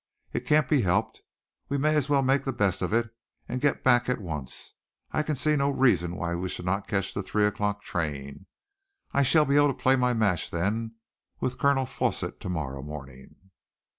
It can't be helped. We may as well make the best of it and get back at once. I can see no reason why we should not catch the three o'clock train. I shall be able to play my match, then, with Colonel Forsitt to morrow morning."